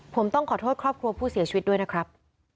ผมต้องขอโทษครอบครัวผู้เสียชีวิตด้วยนะครับ